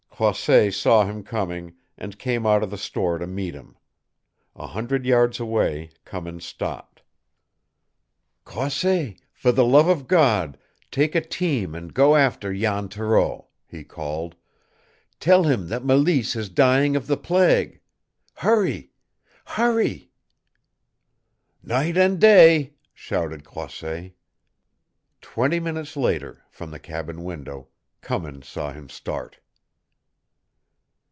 Croisset saw him coming, and came out of the store to meet him. A hundred yards away Cummins stopped. "Croisset, for the love of God, take a team and go after Jan Thoreau," he called "Tell him that Mélisse is dying of the plague. Hurry, hurry!" "Night and day!" shouted Croisset. Twenty minutes later, from the cabin window, Cummins saw him start.